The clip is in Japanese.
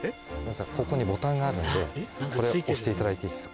ここにボタンがあるんでこれ押していただいていいですか？